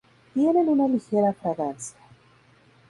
Tienen una ligera fragancia.